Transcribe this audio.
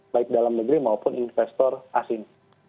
baik dalam negeri maupun investor asing